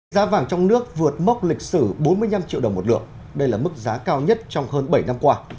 giá vàng trong nước vượt mốc lịch sử bốn mươi năm triệu đồng một lượng đây là mức giá cao nhất trong hơn bảy năm qua